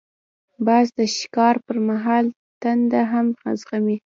باز د ښکار پر مهال تنده هم زغمي